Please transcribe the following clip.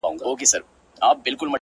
• سم به خو دوى راپسي مه ږغوه ـ